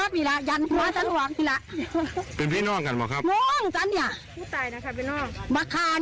เป็นพี่น้องกันเหรอครับ